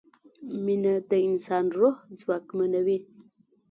مینه د انسان روح ځواکمنوي.